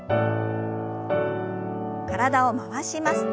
体を回します。